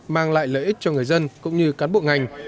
mang lại lợi ích cho người dân cũng như cán bộ ngành